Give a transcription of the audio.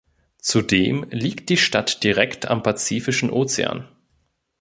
Zudem liegt die Stadt direkt am Pazifischen Ozean.